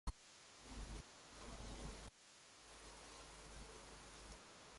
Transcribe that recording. Considered a Blairite, Pope is a signatory of the Henry Jackson Society.